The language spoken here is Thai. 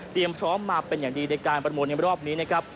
พร้อมมาเป็นอย่างดีในการประมูลในรอบนี้นะครับ